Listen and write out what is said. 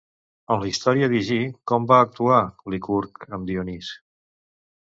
En la història d'Higí, com va actuar Licurg amb Dionís?